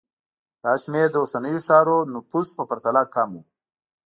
دا شمېر د اوسنیو ښارونو نفوس په پرتله کم و